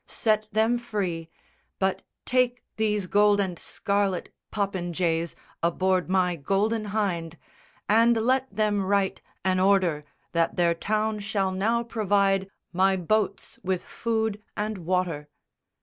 Set them free; But take these gold and scarlet popinjays Aboard my Golden Hynde; and let them write An order that their town shall now provide My boats with food and water."